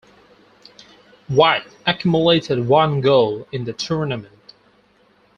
White accumulated one goal in the tournament.